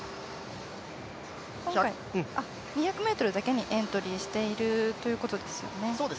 ２００ｍだけにエントリーしているということですね。